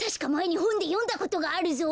にほんでよんだことがあるぞ！